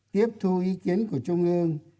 tiếp thu ý kiến của trung ương